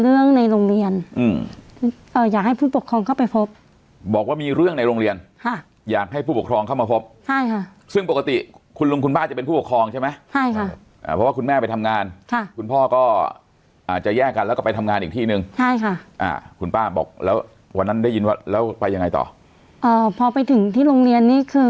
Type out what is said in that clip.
ในโรงเรียนอืมเอ่ออยากให้ผู้ปกครองเข้าไปพบบอกว่ามีเรื่องในโรงเรียนค่ะอยากให้ผู้ปกครองเข้ามาพบใช่ค่ะซึ่งปกติคุณลุงคุณป้าจะเป็นผู้ปกครองใช่ไหมใช่ค่ะอ่าเพราะว่าคุณแม่ไปทำงานค่ะคุณพ่อก็อาจจะแยกกันแล้วก็ไปทำงานอีกที่หนึ่งใช่ค่ะอ่าคุณป้าบอกแล้ววันนั้นได้ยินว่าแล้วไปยังไงต่อเอ่อพอไปถึงที่โรงเรียนนี่คือ